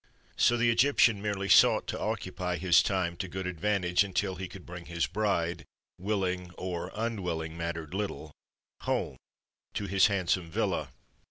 So the Egyptian merely sought to occupy his time to good advantage until he could bring his bride willing or unwilling mattered little home to his handsome villa.